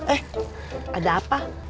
eh ada apa